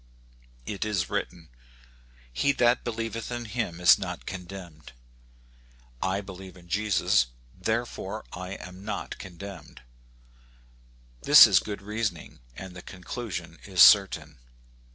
It is written, " He that believeth in him is not condemned. I believe in Jesus, therefore I am not condemned. This is good reasoning, and the conclusion is certain.